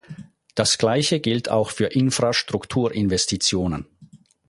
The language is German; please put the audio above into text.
Das Gleiche gilt auch für Infrastrukturinvestitionen.